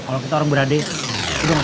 kalau kita orang berade udah masih bisa tindah